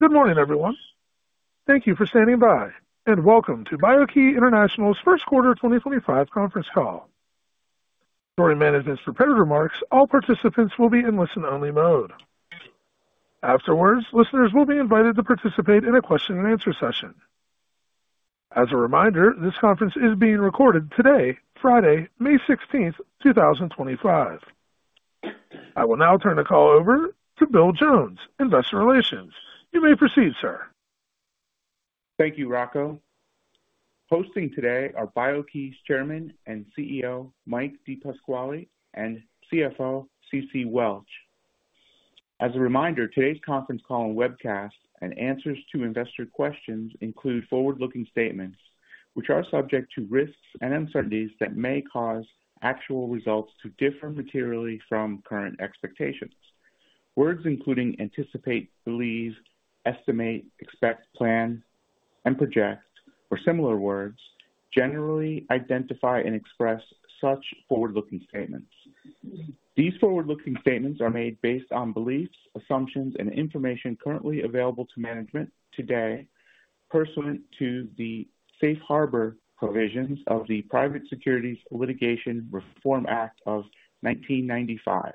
Good morning, everyone. Thank you for standing by, and welcome to BIO-key International's first quarter 2025 conference call. During management's preparatory remarks, all participants will be in listen-only mode. Afterwards, listeners will be invited to participate in a question-and-answer session. As a reminder, this conference is being recorded today, Friday, May 16th, 2025. I will now turn the call over to Bill Jones, Investor Relations. You may proceed, sir. Thank you, Rocco. Hosting today are BIO-key's Chairman and CEO, Mike DePasquale, and CFO, Ceci Welch. As a reminder, today's conference call and webcast, and answers to investor questions, include forward-looking statements, which are subject to risks and uncertainties that may cause actual results to differ materially from current expectations. Words including anticipate, believe, estimate, expect, plan, and project, or similar words, generally identify and express such forward-looking statements. These forward-looking statements are made based on beliefs, assumptions, and information currently available to management today, pursuant to the safe harbor provisions of the Private Securities Litigation Reform Act of 1995.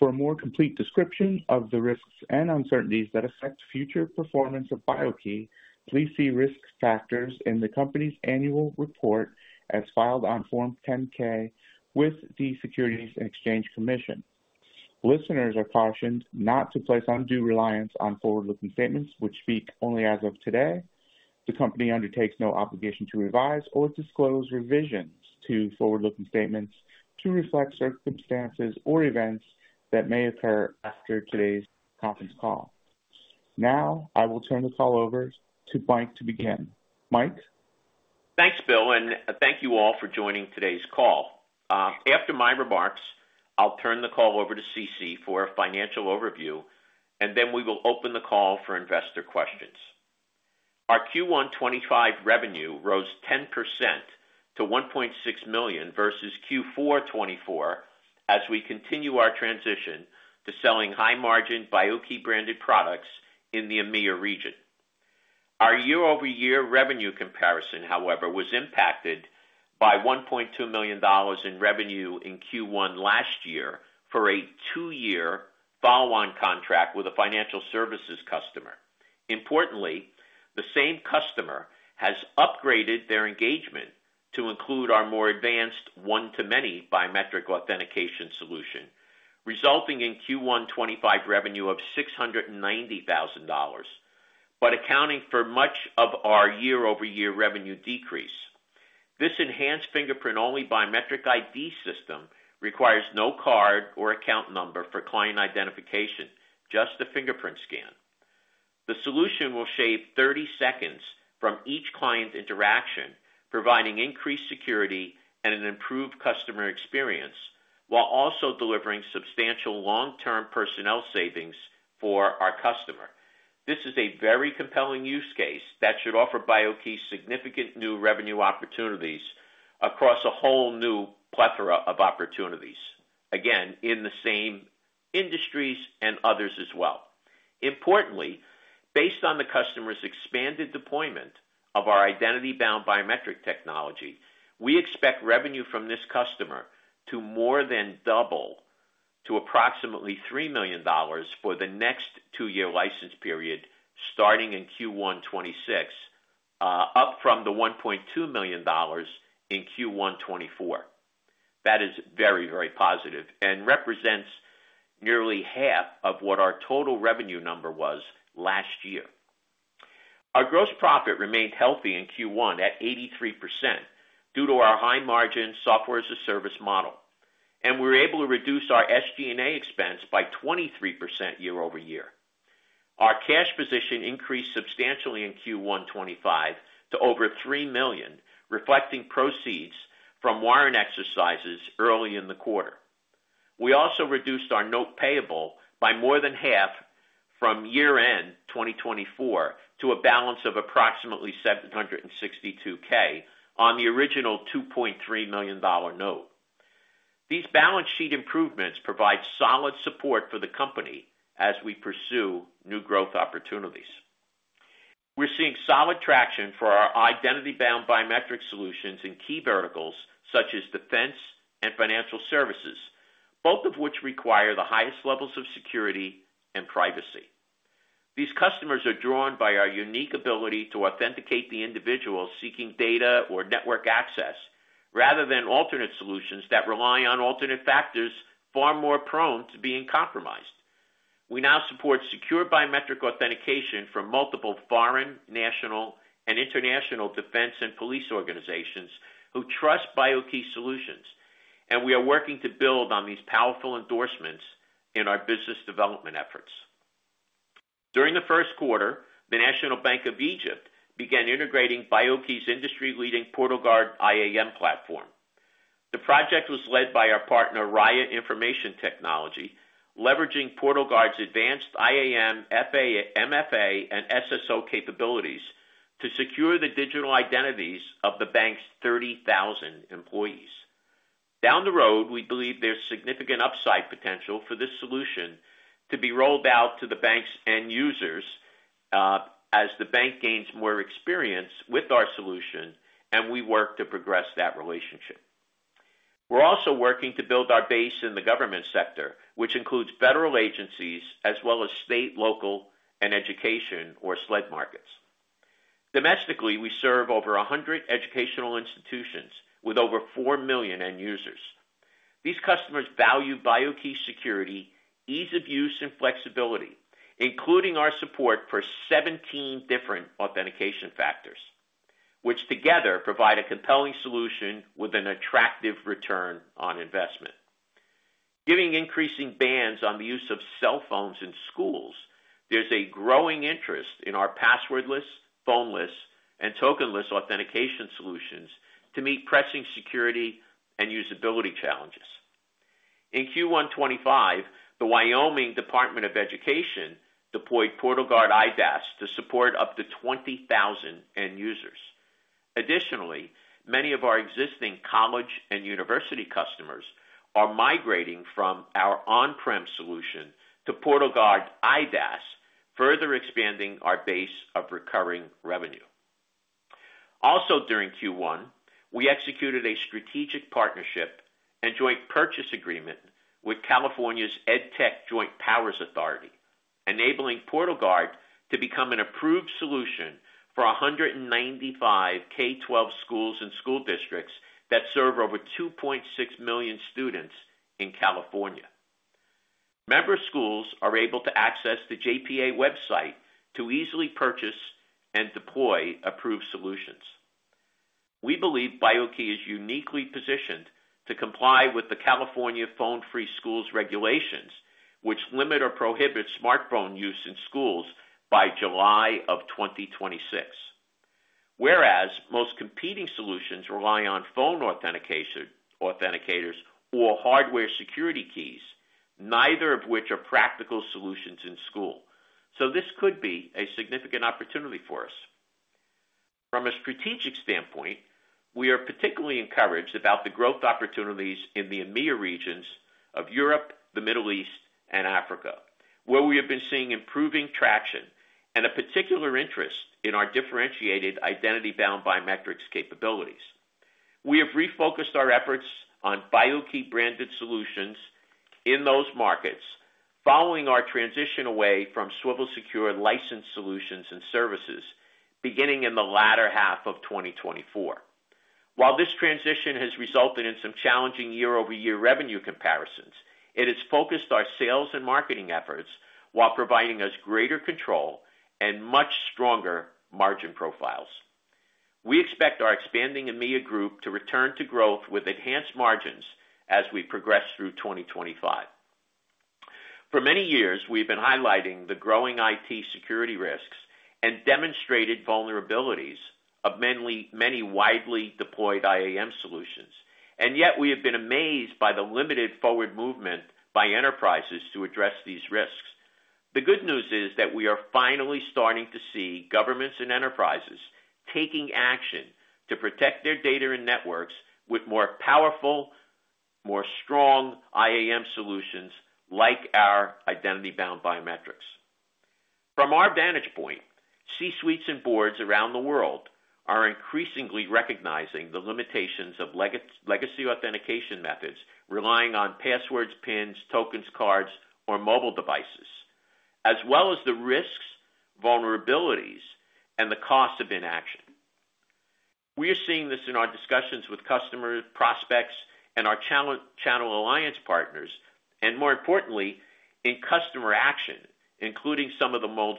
For a more complete description of the risks and uncertainties that affect future performance of BIO-key, please see risk factors in the company's annual report as filed on Form 10-K with the Securities and Exchange Commission. Listeners are cautioned not to place undue reliance on forward-looking statements, which speak only as of today. The company undertakes no obligation to revise or disclose revisions to forward-looking statements to reflect circumstances or events that may occur after today's conference call. Now, I will turn the call over to Mike to begin. Mike. Thanks, Bill, and thank you all for joining today's call. After my remarks, I'll turn the call over to Ceci for a financial overview, and then we will open the call for investor questions. Our Q1 2025 revenue rose 10% to $1.6 million versus Q4 2024 as we continue our transition to selling high-margin BIO-key branded products in the EMEA region. Our year-over-year revenue comparison, however, was impacted by $1.2 million in revenue in Q1 last year for a two-year follow-on contract with a financial services customer. Importantly, the same customer has upgraded their engagement to include our more advanced one-to-many biometric authentication solution, resulting in Q1 2025 revenue of $690,000, but accounting for much of our year-over-year revenue decrease. This enhanced fingerprint-only biometric ID system requires no card or account number for client identification, just a fingerprint scan. The solution will shave 30 seconds from each client's interaction, providing increased security and an improved customer experience, while also delivering substantial long-term personnel savings for our customer. This is a very compelling use case that should offer BIO-key significant new revenue opportunities across a whole new plethora of opportunities, again, in the same industries and others as well. Importantly, based on the customer's expanded deployment of our identity-bound biometric technology, we expect revenue from this customer to more than double to approximately $3 million for the next two-year license period starting in Q1-2026, up from the $1.2 million in Q1-2024. That is very, very positive and represents nearly half of what our total revenue number was last year. Our gross profit remained healthy in Q1 at 83% due to our high-margin software-as-a-service model, and we were able to reduce our SG&A expense by 23% year-over-year. Our cash position increased substantially in Q1-2025 to over $3 million, reflecting proceeds from warrant exercises early in the quarter. We also reduced our note payable by more than half from year-end 2024 to a balance of approximately $762,000 on the original $2.3 million note. These balance sheet improvements provide solid support for the company as we pursue new growth opportunities. We're seeing solid traction for our identity-bound biometric solutions in key verticals such as defense and financial services, both of which require the highest levels of security and privacy. These customers are drawn by our unique ability to authenticate the individuals seeking data or network access, rather than alternate solutions that rely on alternate factors, far more prone to being compromised. We now support secure biometric authentication from multiple foreign, national, and international defense and police organizations who trust BIO-key solutions, and we are working to build on these powerful endorsements in our business development efforts. During the first quarter, the National Bank of Egypt began integrating BIO-key's industry-leading PortalGuard IAM platform. The project was led by our partner, Raya Information Technology, leveraging PortalGuard's advanced IAM, FIDO, MFA, and SSO capabilities to secure the digital identities of the bank's 30,000 employees. Down the road, we believe there's significant upside potential for this solution to be rolled out to the bank's end users as the bank gains more experience with our solution, and we work to progress that relationship. We're also working to build our base in the government sector, which includes federal agencies as well as state, local, and education or SLED markets. Domestically, we serve over 100 educational institutions with over 4 million end users. These customers value BIO-key security, ease of use, and flexibility, including our support for 17 different authentication factors, which together provide a compelling solution with an attractive return on investment. Given increasing bans on the use of cell phones in schools, there's a growing interest in our passwordless, phone-less, and token-less authentication solutions to meet pressing security and usability challenges. In Q1 2025, the Wyoming Department of Education deployed PortalGuard IDaaS to support up to 20,000 end users. Additionally, many of our existing college and university customers are migrating from our on-prem solution to PortalGuard IDaaS, further expanding our base of recurring revenue. Also during Q1, we executed a strategic partnership and joint purchase agreement with California's EdTech Joint Powers Authority, enabling PortalGuard to become an approved solution for 195 K-12 schools and school districts that serve over 2.6 million students in California. Member schools are able to access the JPA website to easily purchase and deploy approved solutions. We believe BIO-key is uniquely positioned to comply with the California Phone-Free Schools Regulations, which limit or prohibit smartphone use in schools by July of 2026. Whereas most competing solutions rely on phone authenticators or hardware security keys, neither of which are practical solutions in school, so this could be a significant opportunity for us. From a strategic standpoint, we are particularly encouraged about the growth opportunities in the EMEA regions of Europe, the Middle East, and Africa, where we have been seeing improving traction and a particular interest in our differentiated identity-bound biometrics capabilities. We have refocused our efforts on BIO-key branded solutions in those markets, following our transition away from Swivel Secure licensed solutions and services beginning in the latter half of 2024. While this transition has resulted in some challenging year-over-year revenue comparisons, it has focused our sales and marketing efforts while providing us greater control and much stronger margin profiles. We expect our expanding EMEA group to return to growth with enhanced margins as we progress through 2025. For many years, we have been highlighting the growing IT security risks and demonstrated vulnerabilities of many widely deployed IAM solutions, and yet we have been amazed by the limited forward movement by enterprises to address these risks. The good news is that we are finally starting to see governments and enterprises taking action to protect their data and networks with more powerful, more strong IAM solutions like our identity-bound biometrics. From our vantage point, C-suites and boards around the world are increasingly recognizing the limitations of legacy authentication methods relying on passwords, PINs, tokens, cards, or mobile devices, as well as the risks, vulnerabilities, and the cost of inaction. We are seeing this in our discussions with customers, prospects, and our channel alliance partners, and more importantly, in customer action, including some of the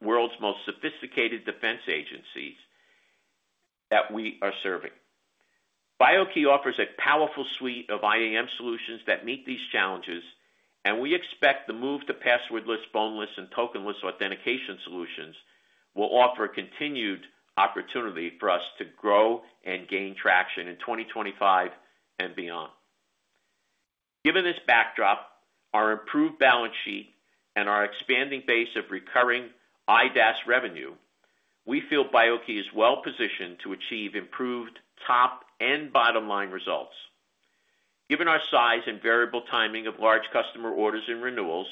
world's most sophisticated defense agencies that we are serving. BIO-key offers a powerful suite of IAM solutions that meet these challenges, and we expect the move to passwordless, phone-less, and token-less authentication solutions will offer continued opportunity for us to grow and gain traction in 2025 and beyond. Given this backdrop, our improved balance sheet and our expanding base of recurring IDaaS revenue, we feel BIO-key is well-positioned to achieve improved top and bottom-line results. Given our size and variable timing of large customer orders and renewals,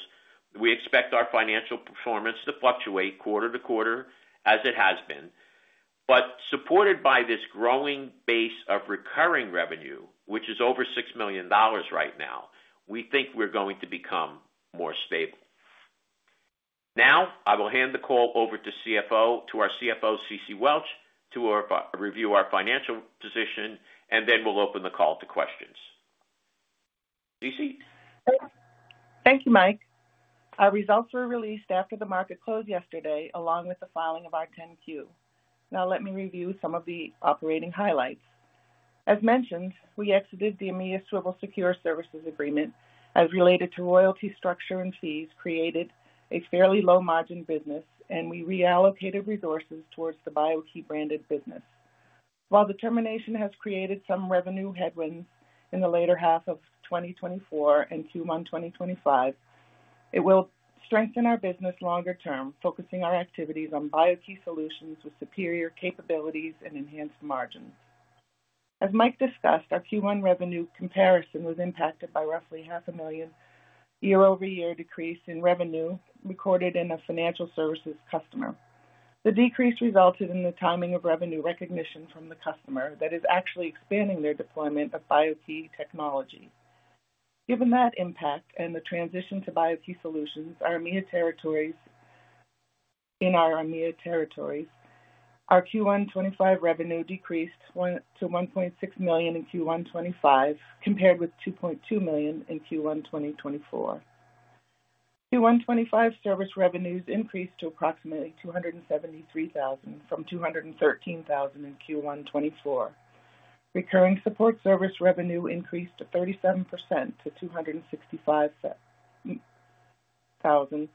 we expect our financial performance to fluctuate quarter to quarter as it has been, but supported by this growing base of recurring revenue, which is over $6 million right now, we think we're going to become more stable. Now, I will hand the call over to our CFO, Ceci Welch, to review our financial position, and then we'll open the call to questions. Ceci? Thank you, Mike. Our results were released after the market closed yesterday, along with the filing of our 10-Q. Now, let me review some of the operating highlights. As mentioned, we exited the EMEA Swivel Secure services agreement as related to royalty structure and fees, created a fairly low-margin business, and we reallocated resources towards the BIO-key branded business. While the termination has created some revenue headwinds in the later half of 2024 and Q1 2025, it will strengthen our business longer term, focusing our activities on BIO-key solutions with superior capabilities and enhanced margins. As Mike discussed, our Q1 revenue comparison was impacted by roughly $500,000 year-over-year decrease in revenue recorded in a financial services customer. The decrease resulted in the timing of revenue recognition from the customer that is actually expanding their deployment of BIO-key technology. Given that impact and the transition to BIO-key solutions, in our EMEA territories, our Q1 2025 revenue decreased to $1.6 million in Q1 2025, compared with $2.2 million in Q1 2024. Q1 2025 service revenues increased to approximately $273,000 from $213,000 in Q1 2024. Recurring support service revenue increased to 37% to $265,000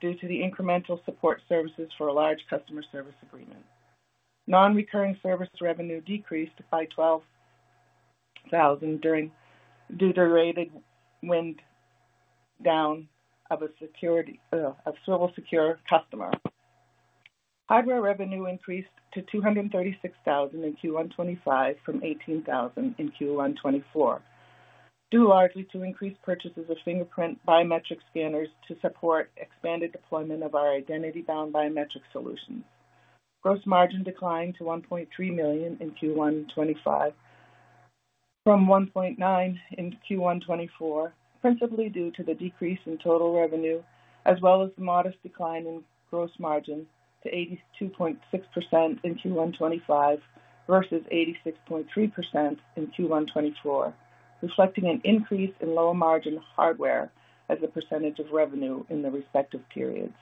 due to the incremental support services for a large customer service agreement. Non-recurring service revenue decreased by $12,000 due to the related wind down of a Swivel Secure customer. Hardware revenue increased to $236,000 in Q1 2025 from $18,000 in Q1 2024, due largely to increased purchases of fingerprint biometric scanners to support expanded deployment of our identity-bound biometric solutions. Gross margin declined to $1.3 million in Q1 2025 from $1.9 million in Q1 2024, principally due to the decrease in total revenue, as well as the modest decline in gross margin to 82.6% in Q1 2025 versus 86.3% in Q1 2024, reflecting an increase in low-margin hardware as a percentage of revenue in the respective periods.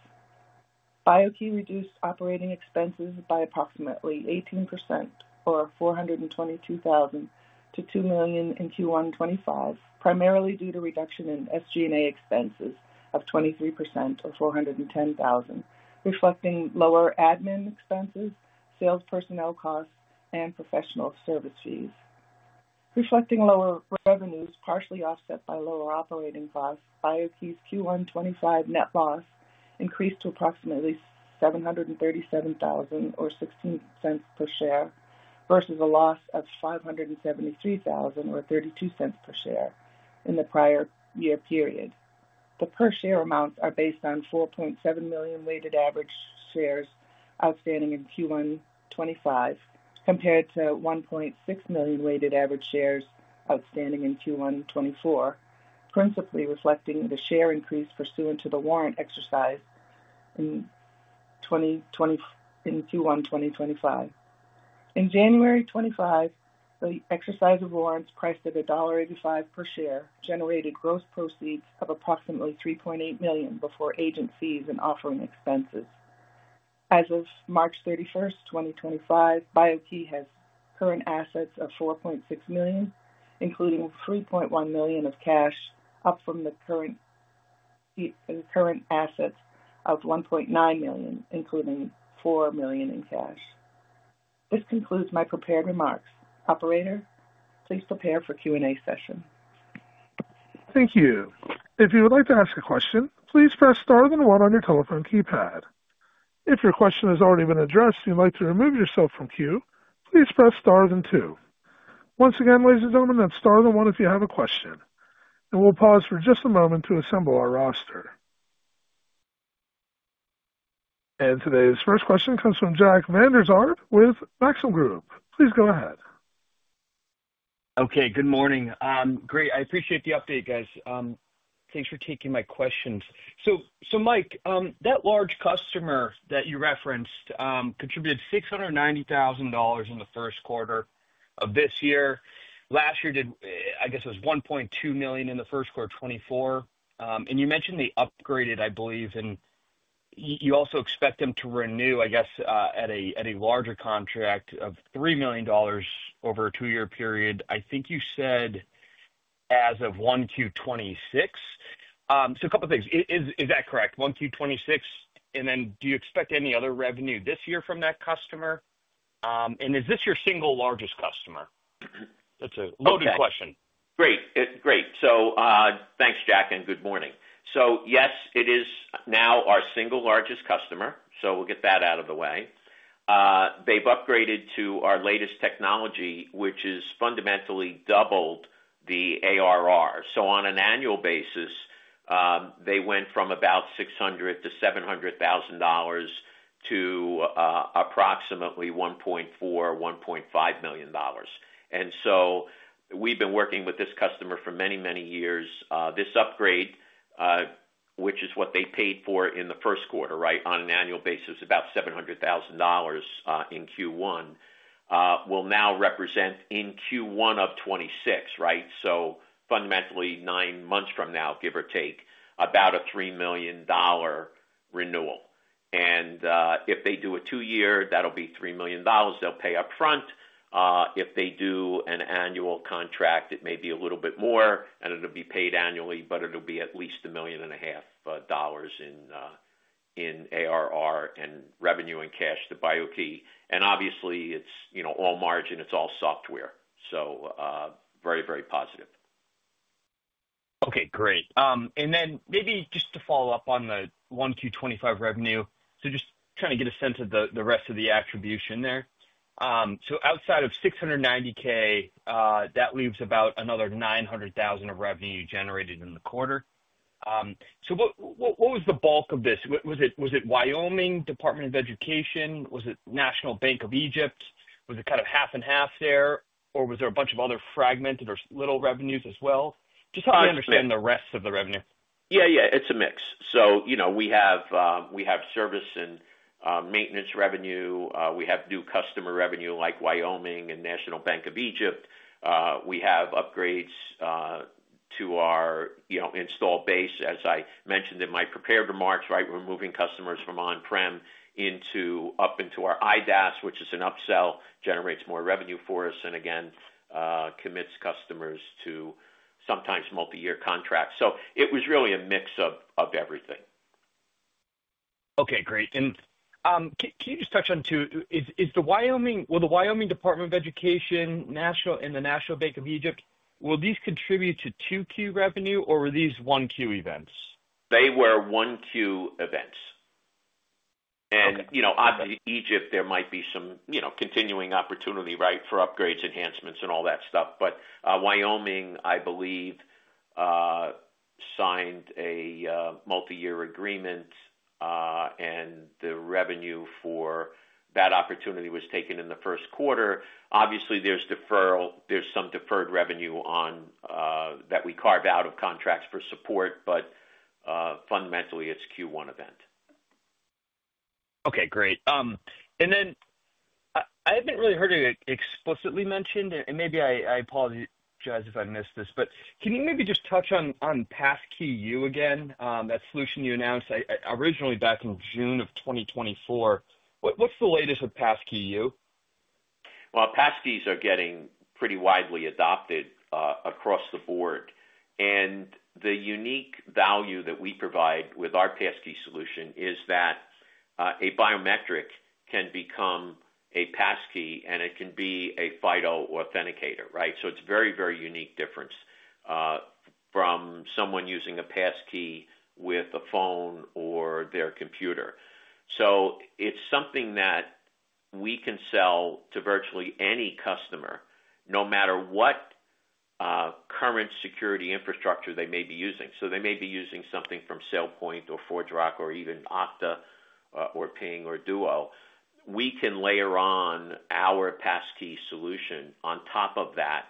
BIO-key reduced operating expenses by approximately 18%, or $422,000, to $2 million in Q1 2025, primarily due to reduction in SG&A expenses of 23%, or $410,000, reflecting lower admin expenses, sales personnel costs, and professional service fees. Reflecting lower revenues partially offset by lower operating costs, BIO-key's Q1 2025 net loss increased to approximately $737,000, or $0.16 per share, versus a loss of $573,000, or $0.32 per share in the prior year period. The per-share amounts are based on 4.7 million weighted average shares outstanding in Q1 2025, compared to 1.6 million weighted average shares outstanding in Q1 2024, principally reflecting the share increase pursuant to the warrant exercise in Q1 2025. In January 2025, the exercise of warrants priced at $1.85 per share generated gross proceeds of approximately $3.8 million before agent fees and offering expenses. As of March 31, 2025, BIO-key has current assets of $4.6 million, including $3.1 million of cash, up from the current assets of $1.9 million, including $4 million in cash. This concludes my prepared remarks. Operator, please prepare for Q&A session. Thank you. If you would like to ask a question, please press star then one on your telephone keypad. If your question has already been addressed and you'd like to remove yourself from queue, please press star then two. Once again, ladies and gentlemen, that's star then one if you have a question. We'll pause for just a moment to assemble our roster. Today's first question comes from Jack Vander Aarde with Maxim Group. Please go ahead. Okay. Good morning. Great. I appreciate the update, guys. Thanks for taking my questions. Mike, that large customer that you referenced contributed $690,000 in the first quarter of this year. Last year, I guess it was $1.2 million in the first quarter of 2024. You mentioned they upgraded, I believe, and you also expect them to renew, I guess, at a larger contract of $3 million over a two-year period. I think you said as of 1Q 2026. A couple of things. Is that correct? 1Q 2026, and do you expect any other revenue this year from that customer? Is this your single largest customer? That's a loaded question. Great. Great. Thanks, Jack, and good morning. Yes, it is now our single largest customer, so we'll get that out of the way. They've upgraded to our latest technology, which has fundamentally doubled the ARR. On an annual basis, they went from about $600,000-$700,000 to approximately $1.4 million-$1.5 million. We've been working with this customer for many, many years. This upgrade, which is what they paid for in the first quarter, right, on an annual basis, was about $700,000 in Q1, will now represent in Q1 of 2026, right? Fundamentally, nine months from now, give or take, about a $3 million renewal. If they do a two-year, that'll be $3 million. They'll pay upfront. If they do an annual contract, it may be a little bit more, and it'll be paid annually, but it'll be at least $1.5 million in ARR and revenue in cash to BIO-key. Obviously, it's all margin. It's all software. Very, very positive. Okay. Great. Maybe just to follow up on the 1Q25 revenue, just trying to get a sense of the rest of the attribution there. Outside of $690,000, that leaves about another $900,000 of revenue generated in the quarter. What was the bulk of this? Was it Wyoming Department of Education? Was it National Bank of Egypt? Was it kind of half and half there? Or was there a bunch of other fragmented or little revenues as well? Just how you understand the rest of the revenue. Yeah, yeah. It's a mix. We have service and maintenance revenue. We have new customer revenue like Wyoming and National Bank of Egypt. We have upgrades to our installed base. As I mentioned in my prepared remarks, right, we're moving customers from on-prem up into our IDaaS, which is an upsell, generates more revenue for us, and again, commits customers to sometimes multi-year contracts. It was really a mix of everything. Okay. Great. Can you just touch on two? Will the Wyoming Department of Education and the National Bank of Egypt, will these contribute to 2Q revenue, or were these 1Q events? They were 1Q events. Obviously, Egypt, there might be some continuing opportunity, right, for upgrades, enhancements, and all that stuff. Wyoming, I believe, signed a multi-year agreement, and the revenue for that opportunity was taken in the first quarter. Obviously, there is some deferred revenue that we carve out of contracts for support, but fundamentally, it is a Q1 event. Okay. Great. I haven't really heard it explicitly mentioned, and maybe I apologize if I missed this, but can you maybe just touch on Passkey:YOU again, that solution you announced originally back in June of 2024? What's the latest with Passkey:YOU? Passkeys are getting pretty widely adopted across the board. The unique value that we provide with our Passkey solution is that a biometric can become a Passkey, and it can be a FIDO authenticator, right? It is a very, very unique difference from someone using a Passkey with a phone or their computer. It is something that we can sell to virtually any customer, no matter what current security infrastructure they may be using. They may be using something from SailPoint or ForgeRock or even Okta or Ping or Duo. We can layer on our Passkey solution on top of that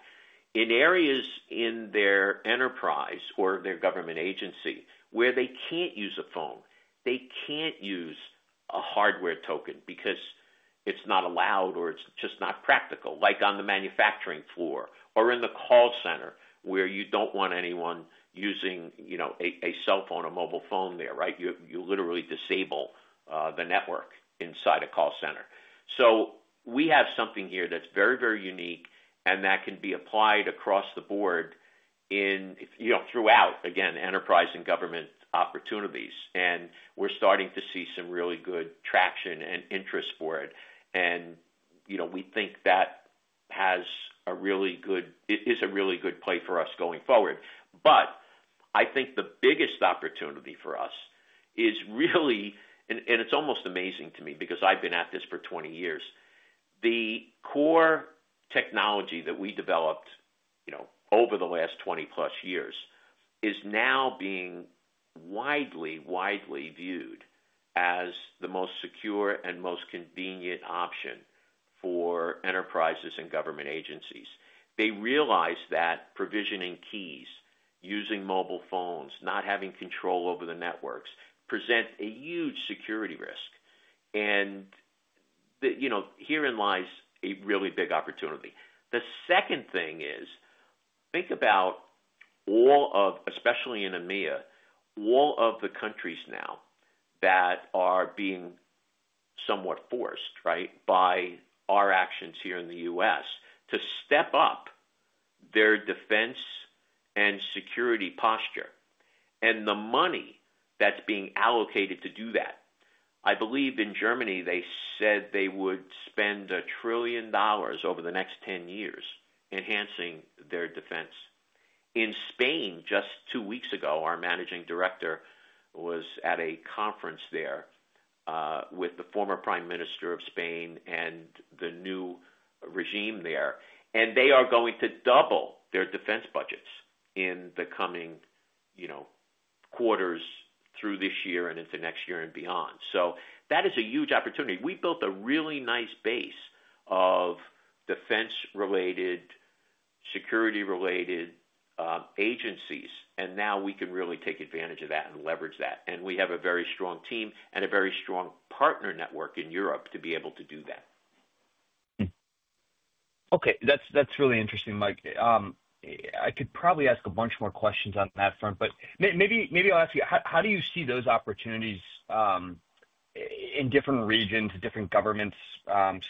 in areas in their enterprise or their government agency where they cannot use a phone. They can't use a hardware token because it's not allowed or it's just not practical, like on the manufacturing floor or in the call center where you don't want anyone using a cell phone, a mobile phone there, right? You literally disable the network inside a call center. We have something here that's very, very unique, and that can be applied across the board throughout, again, enterprise and government opportunities. We are starting to see some really good traction and interest for it. We think that is a really good play for us going forward. I think the biggest opportunity for us is really—and it's almost amazing to me because I've been at this for 20 years—the core technology that we developed over the last 20-plus years is now being widely, widely viewed as the most secure and most convenient option for enterprises and government agencies. They realize that provisioning keys using mobile phones, not having control over the networks, presents a huge security risk. Herein lies a really big opportunity. The second thing is, think about all of—especially in EMEA—all of the countries now that are being somewhat forced, right, by our actions here in the U.S. to step up their defense and security posture. The money that is being allocated to do that, I believe in Germany, they said they would spend $1 trillion over the next 10 years enhancing their defense. In Spain, just two weeks ago, our managing director was at a conference there with the former Prime Minister of Spain and the new regime there. They are going to double their defense budgets in the coming quarters through this year and into next year and beyond. That is a huge opportunity. We built a really nice base of defense-related, security-related agencies, and now we can really take advantage of that and leverage that. We have a very strong team and a very strong partner network in Europe to be able to do that. Okay. That's really interesting, Mike. I could probably ask a bunch more questions on that front, but maybe I'll ask you, how do you see those opportunities in different regions, different governments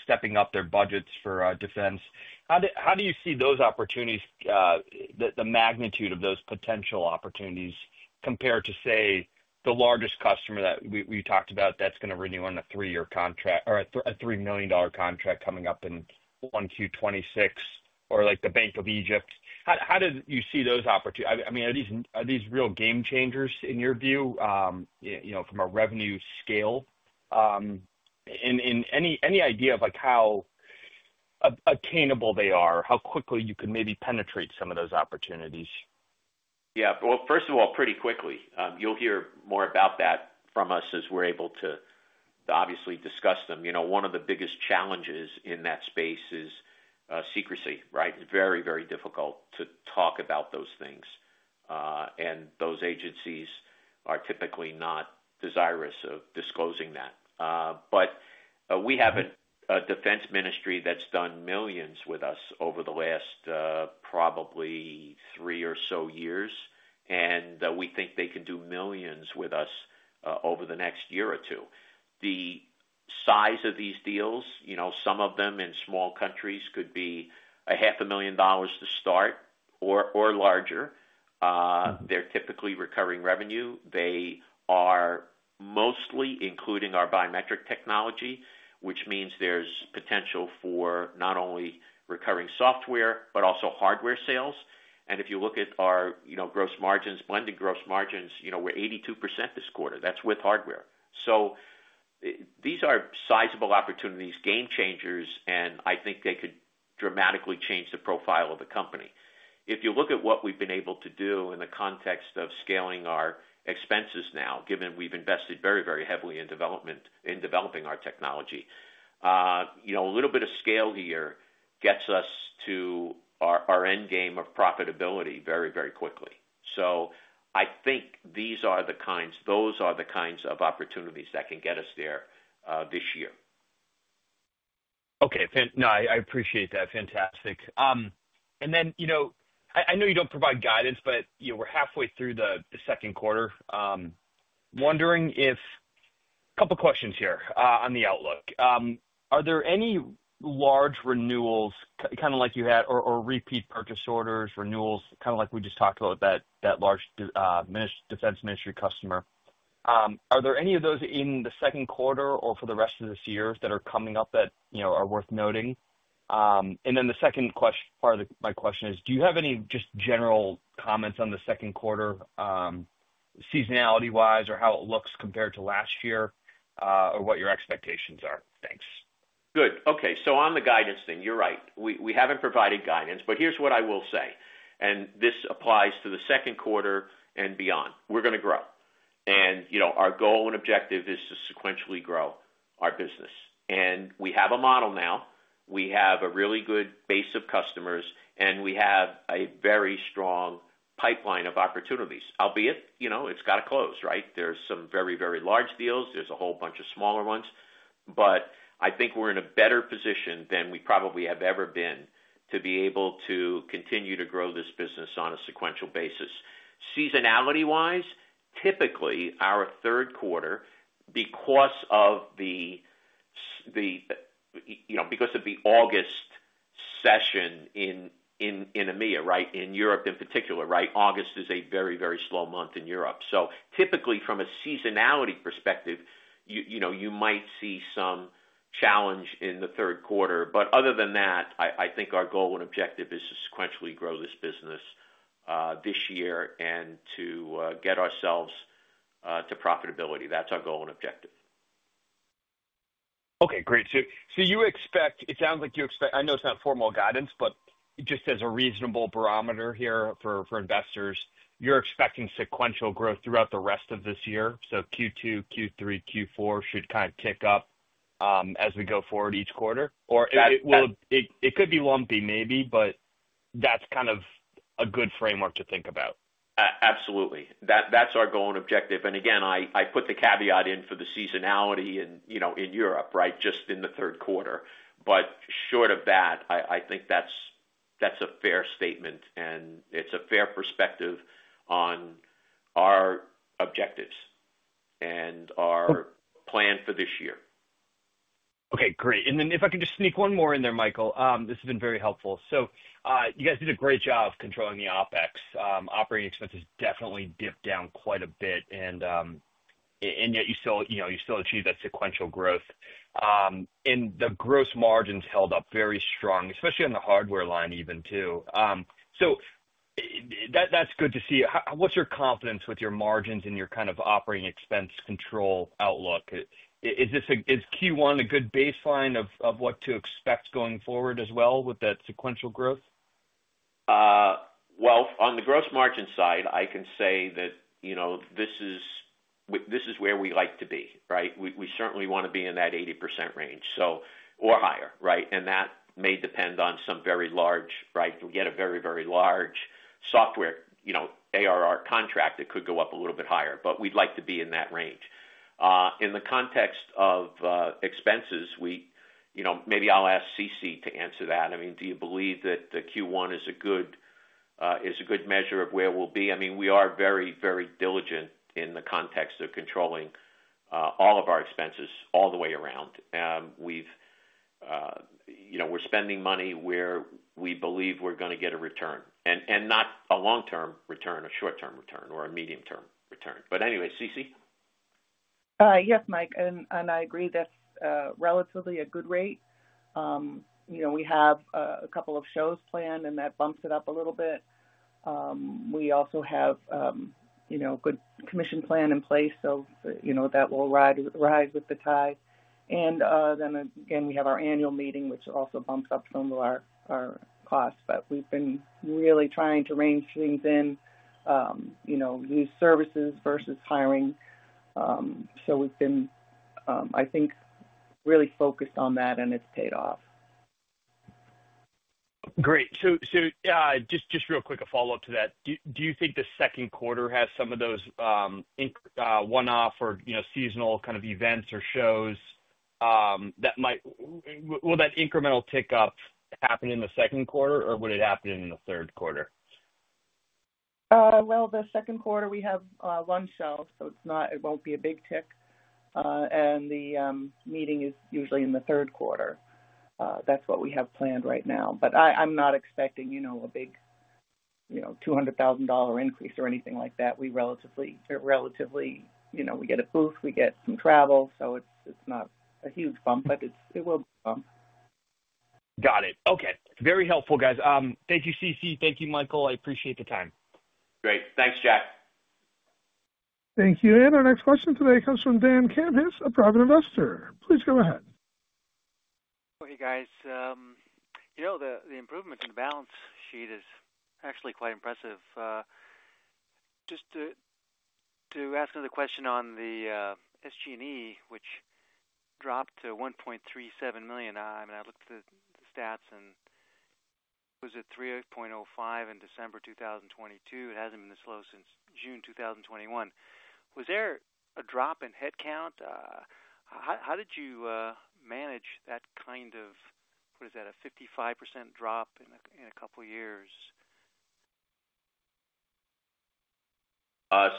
stepping up their budgets for defense? How do you see those opportunities, the magnitude of those potential opportunities, compared to, say, the largest customer that we talked about that's going to renew on a three-year contract or a $3 million contract coming up in 1Q 2026 or the Bank of Egypt? How do you see those opportunities? I mean, are these real game changers in your view from a revenue scale? And any idea of how attainable they are, how quickly you could maybe penetrate some of those opportunities? Yeah. First of all, pretty quickly. You'll hear more about that from us as we're able to obviously discuss them. One of the biggest challenges in that space is secrecy, right? It's very, very difficult to talk about those things. Those agencies are typically not desirous of disclosing that. We have a defense ministry that's done millions with us over the last probably three or so years, and we think they can do millions with us over the next year or two. The size of these deals, some of them in small countries could be $500,000 to start or larger. They're typically recurring revenue. They are mostly including our biometric technology, which means there's potential for not only recurring software but also hardware sales. If you look at our gross margins, blended gross margins, we're 82% this quarter. That's with hardware. These are sizable opportunities, game changers, and I think they could dramatically change the profile of the company. If you look at what we've been able to do in the context of scaling our expenses now, given we've invested very, very heavily in developing our technology, a little bit of scale here gets us to our end game of profitability very, very quickly. I think these are the kinds—those are the kinds of opportunities that can get us there this year. Okay. No, I appreciate that. Fantastic. I know you do not provide guidance, but we are halfway through the second quarter. Wondering if—couple of questions here on the outlook. Are there any large renewals, kind of like you had, or repeat purchase orders, renewals, kind of like we just talked about, that large defense ministry customer? Are there any of those in the second quarter or for the rest of this year that are coming up that are worth noting? The second part of my question is, do you have any just general comments on the second quarter, seasonality-wise, or how it looks compared to last year, or what your expectations are? Thanks. Good. Okay. On the guidance thing, you're right. We haven't provided guidance, but here's what I will say. This applies to the second quarter and beyond. We're going to grow. Our goal and objective is to sequentially grow our business. We have a model now. We have a really good base of customers, and we have a very strong pipeline of opportunities, albeit it's got to close, right? There are some very, very large deals. There are a whole bunch of smaller ones. I think we're in a better position than we probably have ever been to be able to continue to grow this business on a sequential basis. Seasonality-wise, typically, our third quarter, because of the August session in EMEA, right, in Europe in particular, August is a very, very slow month in Europe. Typically, from a seasonality perspective, you might see some challenge in the third quarter. Other than that, I think our goal and objective is to sequentially grow this business this year and to get ourselves to profitability. That's our goal and objective. Okay. Great. So you expect—it sounds like you expect—I know it's not formal guidance, but just as a reasonable barometer here for investors, you're expecting sequential growth throughout the rest of this year. Q2, Q3, Q4 should kind of kick up as we go forward each quarter. Or it could be lumpy maybe, but that's kind of a good framework to think about. Absolutely. That's our goal and objective. Again, I put the caveat in for the seasonality in Europe, right, just in the third quarter. Short of that, I think that's a fair statement, and it's a fair perspective on our objectives and our plan for this year. Okay. Great. If I can just sneak one more in there, Michael, this has been very helpful. You guys did a great job controlling the OpEx. Operating expenses definitely dipped down quite a bit, and yet you still achieved that sequential growth. The gross margins held up very strong, especially on the hardware line even too. That is good to see. What is your confidence with your margins and your kind of operating expense control outlook? Is Q1 a good baseline of what to expect going forward as well with that sequential growth? On the gross margin side, I can say that this is where we like to be, right? We certainly want to be in that 80% range or higher, right? That may depend on some very large, right? We get a very, very large software ARR contract that could go up a little bit higher, but we'd like to be in that range. In the context of expenses, maybe I'll ask Ceci to answer that. I mean, do you believe that Q1 is a good measure of where we'll be? I mean, we are very, very diligent in the context of controlling all of our expenses all the way around. We're spending money where we believe we're going to get a return, and not a long-term return or short-term return or a medium-term return. Anyway, Ceci? Yes, Mike. I agree that is relatively a good rate. We have a couple of shows planned, and that bumps it up a little bit. We also have a good commission plan in place, so that will rise with the tide. We have our annual meeting, which also bumps up some of our costs. We have been really trying to range things in, new services versus hiring. I think we have been really focused on that, and it has paid off. Great. Just real quick, a follow-up to that. Do you think the second quarter has some of those one-off or seasonal kind of events or shows that might—will that incremental tick up happen in the second quarter, or would it happen in the third quarter? The second quarter, we have one shelf, so it won't be a big tick. The meeting is usually in the third quarter. That's what we have planned right now. I'm not expecting a big $200,000 increase or anything like that. We're relatively—we get a boost. We get some travel, so it's not a huge bump, but it will be a bump. Got it. Okay. Very helpful, guys. Thank you, Ceci. Thank you, Michael. I appreciate the time. Great. Thanks, Jack. Thank you. Our next question today comes from Dan Cremons, a private investor. Please go ahead. Hey, guys. The improvement in the balance sheet is actually quite impressive. Just to ask another question on the SG&A, which dropped to $1.37 million. I mean, I looked at the stats, and it was at $3.05 million in December 2022. It has not been this low since June 2021. Was there a drop in headcount? How did you manage that kind of—what is that?—a 55% drop in a couple of years?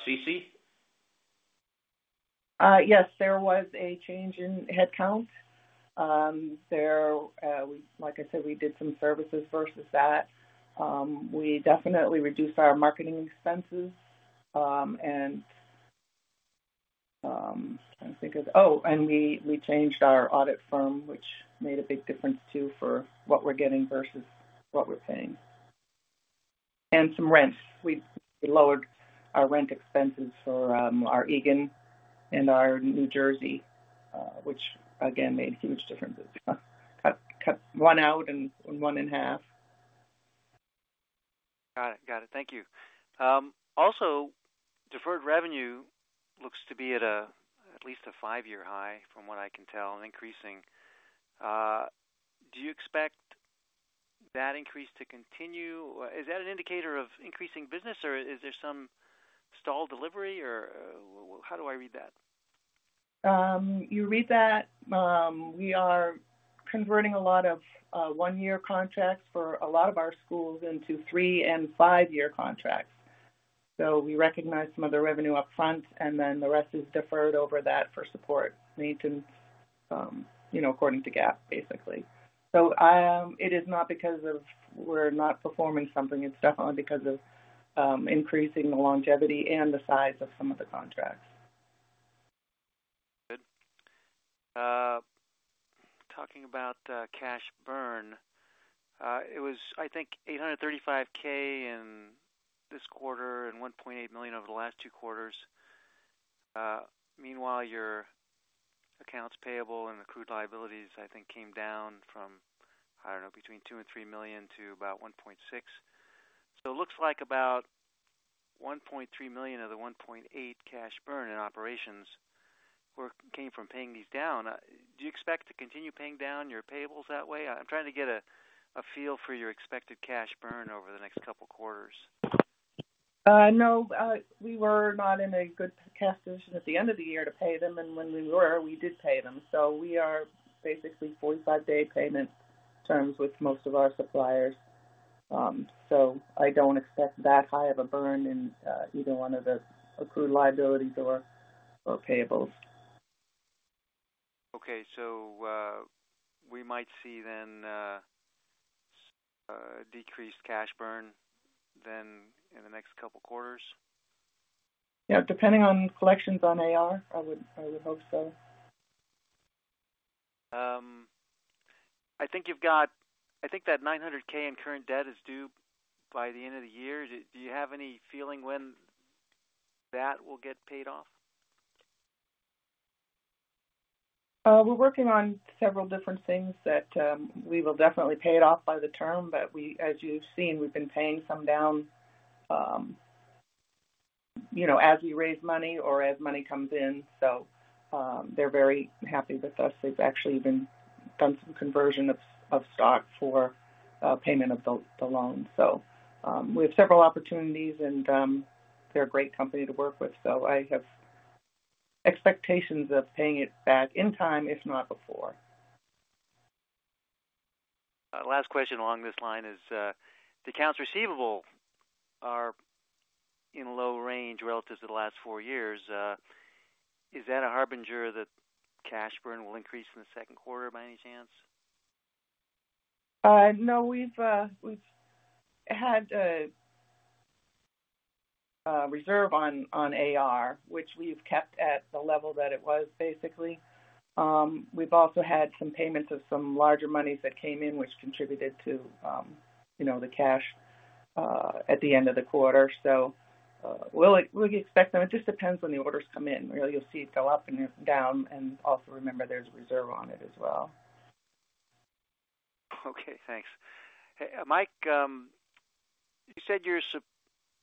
Ceci? Yes. There was a change in headcount. Like I said, we did some services versus that. We definitely reduced our marketing expenses. I'm trying to think of—oh, we changed our audit firm, which made a big difference too for what we're getting versus what we're paying. Some rent. We lowered our rent expenses for our Eagan and our New Jersey, which again made huge differences. Cut one out and one in half. Got it. Got it. Thank you. Also, deferred revenue looks to be at least a five-year high, from what I can tell, and increasing. Do you expect that increase to continue? Is that an indicator of increasing business, or is there some stalled delivery, or how do I read that? You read that. We are converting a lot of one-year contracts for a lot of our schools into three- and five-year contracts. We recognize some of the revenue upfront, and then the rest is deferred over that for support maintenance according to GAAP, basically. It is not because of we're not performing something. It's definitely because of increasing the longevity and the size of some of the contracts. Good. Talking about cash burn, it was, I think, $835,000 in this quarter and $1.8 million over the last two quarters. Meanwhile, your accounts payable and accrued liabilities, I think, came down from, I do not know, between $2 million and $3 million to about $1.6 million. So it looks like about $1.3 million of the $1.8 million cash burn in operations came from paying these down. Do you expect to continue paying down your payables that way? I am trying to get a feel for your expected cash burn over the next couple of quarters. No. We were not in a good cash position at the end of the year to pay them, and when we were, we did pay them. We are basically 45-day payment terms with most of our suppliers. I do not expect that high of a burn in either one of the accrued liabilities or payables. Okay. So we might see then decreased cash burn then in the next couple of quarters? Yeah. Depending on collections on AR, I would hope so. I think you've got—I think that $900,000 in current debt is due by the end of the year. Do you have any feeling when that will get paid off? We're working on several different things that we will definitely pay it off by the term. As you've seen, we've been paying some down as we raise money or as money comes in. They're very happy with us. They've actually even done some conversion of stock for payment of the loan. We have several opportunities, and they're a great company to work with. I have expectations of paying it back in time, if not before. Last question along this line is, the accounts receivable are in a low range relative to the last four years. Is that a harbinger that cash burn will increase in the second quarter by any chance? No. We've had a reserve on AR, which we've kept at the level that it was, basically. We've also had some payments of some larger monies that came in, which contributed to the cash at the end of the quarter. We expect them—it just depends when the orders come in. You'll see it go up and down. Also, remember, there's a reserve on it as well. Okay. Thanks. Mike, you said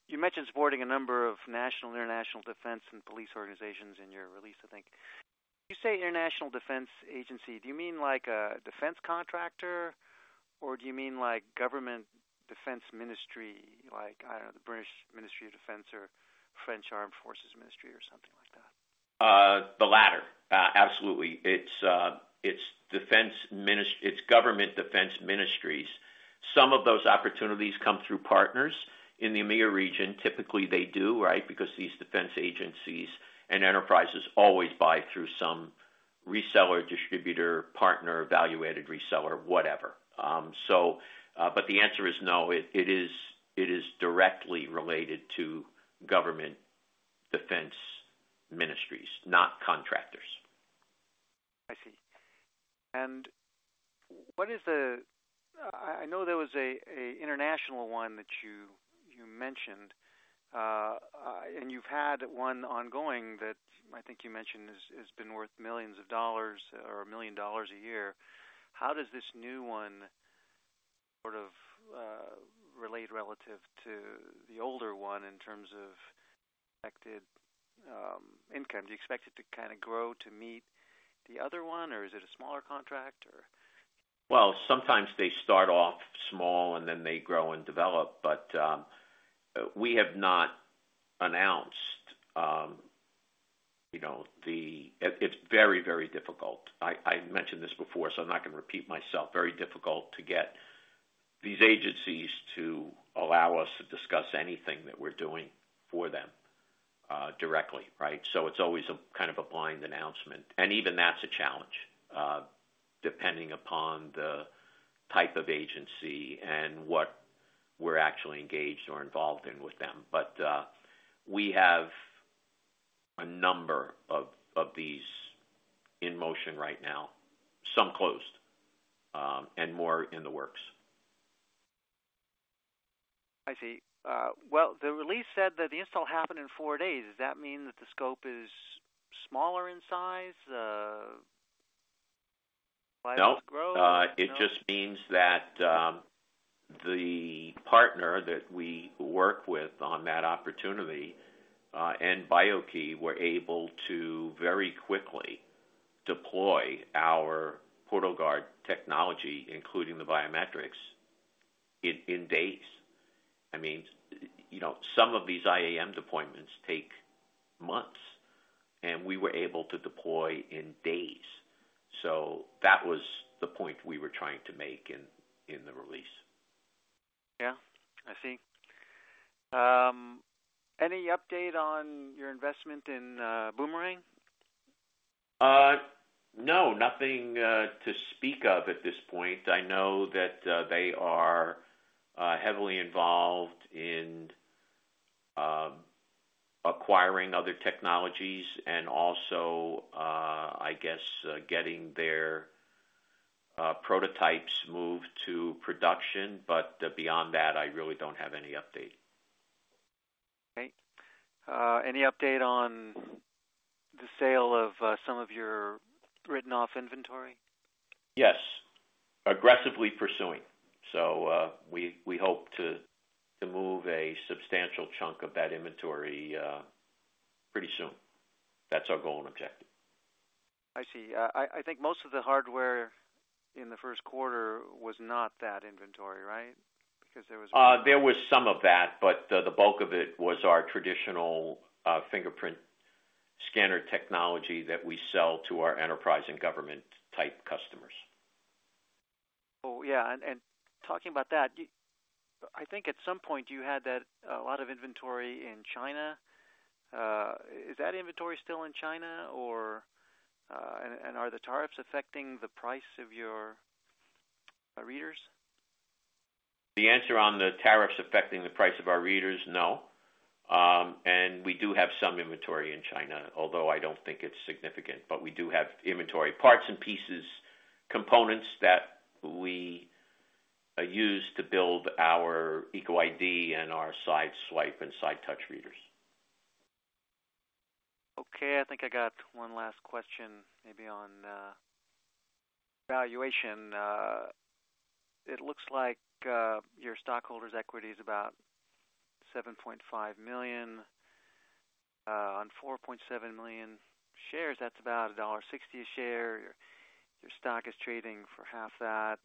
you mentioned supporting a number of national and international defense and police organizations in your release, I think. You say international defense agency. Do you mean like a defense contractor, or do you mean like government defense ministry, like, I don't know, the British Ministry of Defense or French Armed Forces Ministry or something like that? The latter. Absolutely. It's government defense ministries. Some of those opportunities come through partners in the EMEA region. Typically, they do, right, because these defense agencies and enterprises always buy through some reseller, distributor, partner, value-added reseller, whatever. The answer is no. It is directly related to government defense ministries, not contractors. I see. What is the—I know there was an international one that you mentioned, and you've had one ongoing that I think you mentioned has been worth millions of dollars or a million dollars a year. How does this new one sort of relate relative to the older one in terms of expected income? Do you expect it to kind of grow to meet the other one, or is it a smaller contract, or? Sometimes they start off small, and then they grow and develop. We have not announced the—it is very, very difficult. I mentioned this before, so I'm not going to repeat myself. It is very difficult to get these agencies to allow us to discuss anything that we're doing for them directly, right? It is always kind of a blind announcement. Even that is a challenge, depending upon the type of agency and what we're actually engaged or involved in with them. We have a number of these in motion right now, some closed and more in the works. I see. The release said that the install happened in four days. Does that mean that the scope is smaller in size? Less growth? No. It just means that the partner that we work with on that opportunity and BIO-key were able to very quickly deploy our PortalGuard technology, including the biometrics, in days. I mean, some of these IAM deployments take months, and we were able to deploy in days. That was the point we were trying to make in the release. Yeah. I see. Any update on your investment in Boomerang? No. Nothing to speak of at this point. I know that they are heavily involved in acquiring other technologies and also, I guess, getting their prototypes moved to production. Beyond that, I really do not have any update. Okay. Any update on the sale of some of your written-off inventory? Yes. Aggressively pursuing. We hope to move a substantial chunk of that inventory pretty soon. That is our goal and objective. I see. I think most of the hardware in the first quarter was not that inventory, right, because there was. There was some of that, but the bulk of it was our traditional fingerprint scanner technology that we sell to our enterprise and government-type customers. Oh, yeah. Talking about that, I think at some point you had a lot of inventory in China. Is that inventory still in China, or are the tariffs affecting the price of your readers? The answer on the tariffs affecting the price of our readers, no. We do have some inventory in China, although I do not think it is significant. We do have inventory parts and pieces, components that we use to build our EcoID and our SideSwipe and SideTouch readers. Okay. I think I got one last question maybe on valuation. It looks like your stockholders' equity is about $7.5 million. On 4.7 million shares, that's about $1.60 a share. Your stock is trading for half that.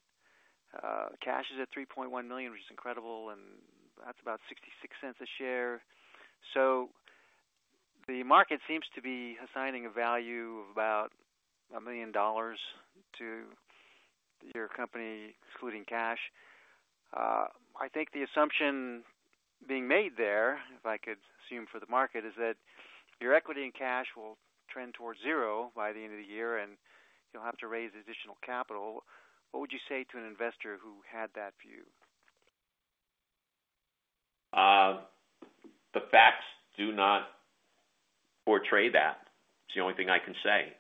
Cash is at $3.1 million, which is incredible, and that's about $0.66 a share. So the market seems to be assigning a value of about $1 million to your company, excluding cash. I think the assumption being made there, if I could assume for the market, is that your equity and cash will trend towards zero by the end of the year, and you'll have to raise additional capital. What would you say to an investor who had that view? The facts do not portray that. It's the only thing I can say.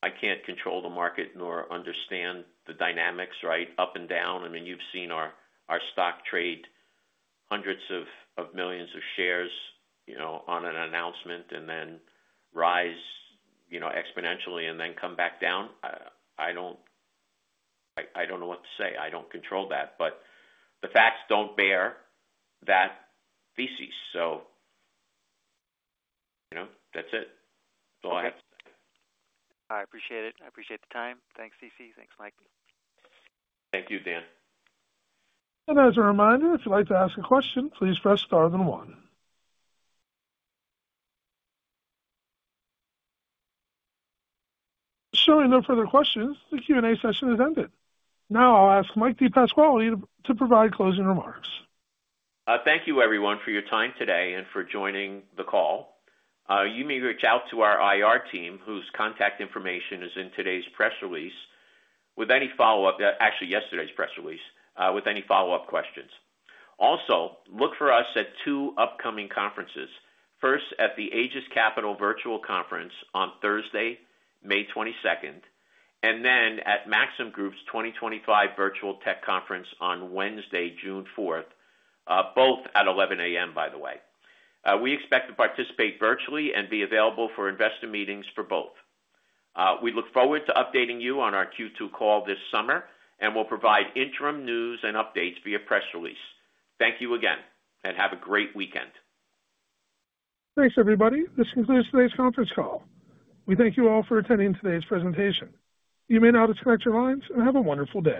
I can't control the market nor understand the dynamics, right, up and down. I mean, you've seen our stock trade hundreds of millions of shares on an announcement and then rise exponentially and then come back down. I don't know what to say. I don't control that. The facts don't bear that thesis. That's it. That's all I have to say. I appreciate it. I appreciate the time. Thanks, Ceci. Thanks, Mike. Thank you, Dan. As a reminder, if you'd like to ask a question, please press star then one. With no further questions, the Q&A session is ended. Now I'll ask Mike DePasquale to provide closing remarks. Thank you, everyone, for your time today and for joining the call. You may reach out to our IR team, whose contact information is in today's press release, with any follow-up—actually, yesterday's press release—with any follow-up questions. Also, look for us at two upcoming conferences: first at the Aegis Capital Virtual Conference on Thursday, May 22nd, and then at Maxim Group's 2025 Virtual Tech Conference on Wednesday, June 4th, both at 11:00 A.M., by the way. We expect to participate virtually and be available for investor meetings for both. We look forward to updating you on our Q2 call this summer and will provide interim news and updates via press release. Thank you again, and have a great weekend. Thanks, everybody. This concludes today's conference call. We thank you all for attending today's presentation. You may now disconnect your lines and have a wonderful day.